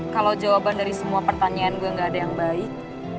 kalau jawaban dari semua pertanyaan gue gak ada yang baik